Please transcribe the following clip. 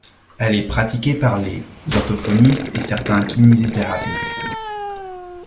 Elle est pratiquée par les orthophonistes et certains kinesitherapeutes.